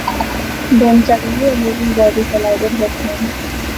Then suddenly a moving body collided with him.